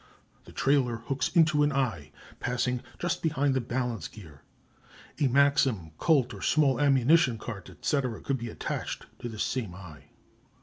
The trailer hooks into an eye, passing just behind the balance gear. A Maxim, Colt, or small ammunition cart, &c., could be attached to this same eye.